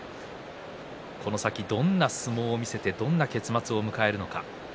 この先どんな相撲を見せてどんな結末を迎えるのか。